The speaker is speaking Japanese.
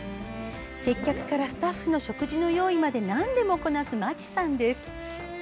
接客からスタッフの食事の用意までなんでもこなす町さんです。